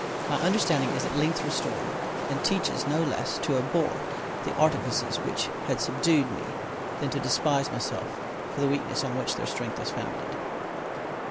My understanding is at length restored, and teaches no less to abhor the artifices which had subdued me than to despise myself for the weakness on which their strength was founded.